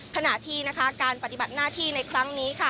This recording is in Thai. ขณะที่นะคะการปฏิบัติหน้าที่ในครั้งนี้ค่ะ